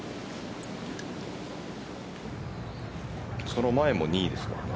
その前も２位ですかね。